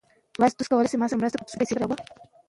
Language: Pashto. ادبي غونډې د فکرونو د تبادلې ځای دی.